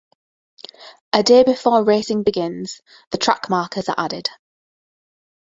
A day before racing begins, the track markers are added.